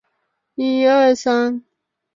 甘肃骨牌蕨为水龙骨科骨牌蕨属下的一个种。